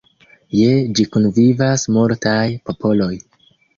Je ĝi kunvivas multaj popoloj.